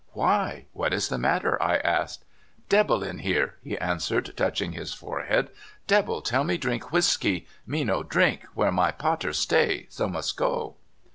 " Why, what is the matter? " I asked. Debbil in here," he answered, touching his forehead. '' Debbil tell me drink whisky; me no drink where my pather stay, so must go."